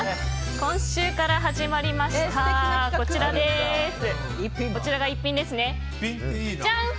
今週から始まりましたこちらの逸品です。